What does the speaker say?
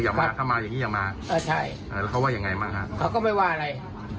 ว่าเข้ามาอย่างงี้อย่ามาเออใช่อ่าแล้วเขาว่ายังไงบ้างฮะเขาก็ไม่ว่าอะไร